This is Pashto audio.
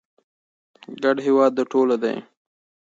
ګډ هېواد د ټولو دی.